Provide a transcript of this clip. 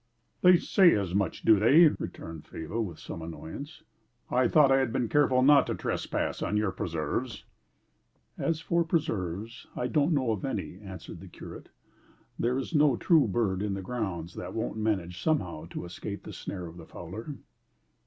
"They say as much do they?" returned Faber with some annoyance. "I thought I had been careful not to trespass on your preserves." "As for preserves, I don't know of any," answered the curate. "There is no true bird in the grounds that won't manage somehow to escape the snare of the fowler."